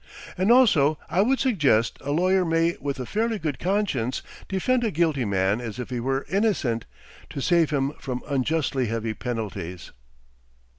And also I would suggest a lawyer may with a fairly good conscience defend a guilty man as if he were innocent, to save him from unjustly heavy penalties.